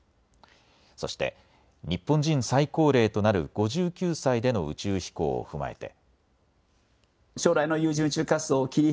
そして日本人最高齢となる５９歳での宇宙飛行を踏まえて。